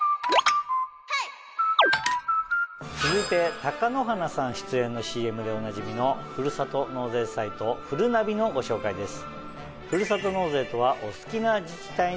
続いて貴乃花さん出演のＣＭでおなじみのふるさと納税サイト「ふるなび」のご紹介です。